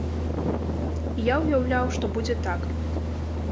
І я ўяўляў, што будзе так.